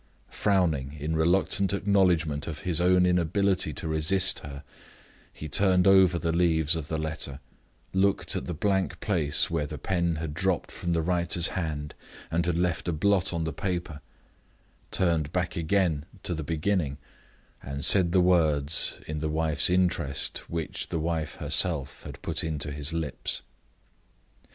Frowning in reluctant acknowledgment of his own inability to resist her, he turned over the leaves of the letter; looked at the blank place where the pen had dropped from the writer's hand and had left a blot on the paper; turned back again to the beginning, and said the words, in the wife's interest, which the wife herself had put into his lips.